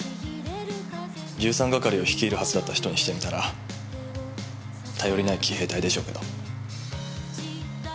１３係を率いるはずだった人にしてみたら頼りない騎兵隊でしょうけど。